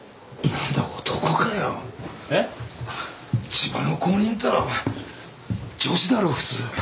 千葉の後任ったらお前女子だろ普通。